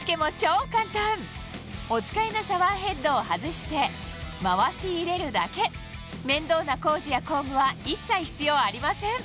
お使いのシャワーヘッドを外して回し入れるだけ面倒な工事や工具は一切必要ありません